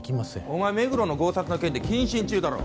お前目黒の強殺の件で謹慎中だろ？